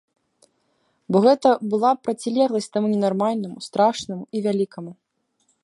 Бо гэта была б процілегласць таму ненармальнаму, страшнаму і вялікаму.